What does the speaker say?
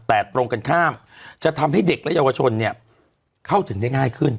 แต่ตรงกันข้ามจะทำให้เด็กและเยาวชนเข้าถึงได้ง่ายขึ้น